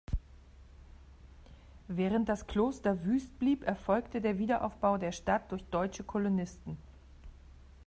Während das Kloster wüst blieb, erfolgte der Wiederaufbau der Stadt durch deutsche Kolonisten.